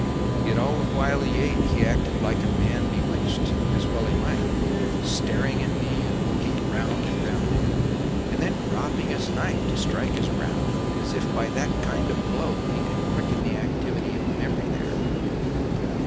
Yet all the while he ate he acted like a man bewitched, as well he might, staring at me and looking round and round him, and then dropping his knife to strike his brow, as if by that kind of blow he would quicken the activity of memory there.